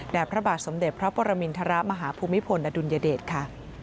พระบาทสมเด็จพระปรมินทรมาฮภูมิพลอดุลยเดชค่ะ